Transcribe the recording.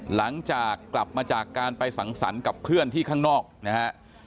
หลังจากกลับมาจากการไปสังสรรค์กับเพื่อนที่ข้างนอกนะฮะ